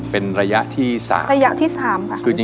เป็นระยะที่๓ค่ะ